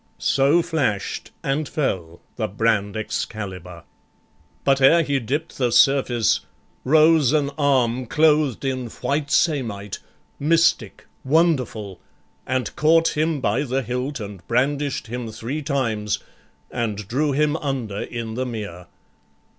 So flash'd and fell the brand Excalibur: But ere he dipt the surface, rose an arm Clothed in white samite, mystic, wonderful, And caught him by the hilt, and brandish'd him Three times, and drew him under in the mere.